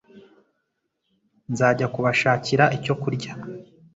Nzajya kubashakira icyo kurya.